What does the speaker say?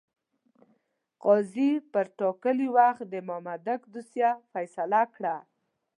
قاضي پر ټاکلي وخت د مامدک دوسیه فیصله کړه.